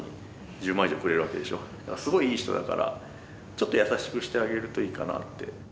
だからすごいいい人だからちょっと優しくしてあげるといいかなって。